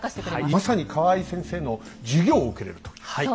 まさに河合先生の授業を受けれるという。